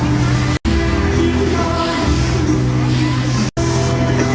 สุดท้ายสุดท้ายสุดท้าย